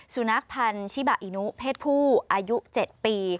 สุนัขพันธิบาอินุเพศผู้อายุ๗ปี